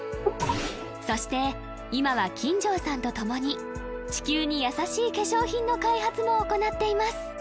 そして今は金城さんと共に地球に優しい化粧品の開発も行っています